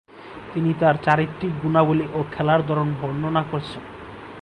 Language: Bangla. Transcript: তিনি তার চারিত্রিক গুণাবলী ও খেলার ধরন বর্ণনা করেছেন।